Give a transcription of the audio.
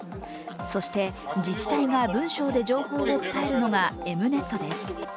そして、自治体が文章で情報を伝えるのがＥｍ−Ｎｅｔです。